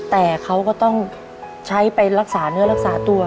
แต่เขาก็ต้องใช้ไปรักษาเนื้อรักษาตัว